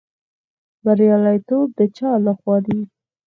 بریالیتوب د چا لخوا دی؟